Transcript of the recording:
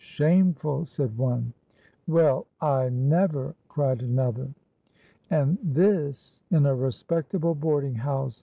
'Shameful!' said one.—'Well, I never!' cried another.—'And this in a respectable boarding house!'